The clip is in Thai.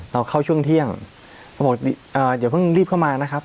เราเข้าช่วงเที่ยงเขาบอกเอ่อเดี๋ยวเพิ่งรีบเข้ามานะครับ